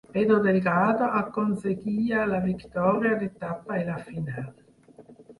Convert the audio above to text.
Pedro Delgado aconseguia la victòria d'etapa i la final.